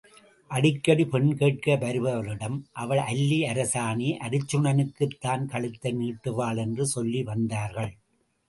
அடிக்கடி பெண் கேட்க வருபவரிடம், அவள் அல்லி அரசாணி அருச்சுனனுக்குத்தான் கழுத்தை நீட்டுவாள் என்று சொல்லி வந்தார்கள்.